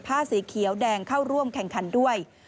ผ้าสีเขียวแดงเข้าร่วมแข่งขันด้วย